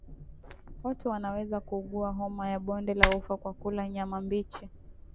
Watu wanaweza kuugua homa ya bonde la ufa kwa kula nyama mbichi